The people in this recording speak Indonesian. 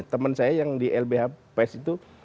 teman saya yang di lbh pes itu